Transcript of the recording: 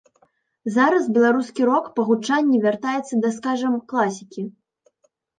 Зараз беларускі рок па гучанні вяртаецца да, скажам, класікі.